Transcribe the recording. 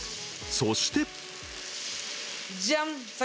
そして。